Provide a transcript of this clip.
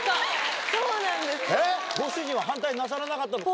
そうなんですよ。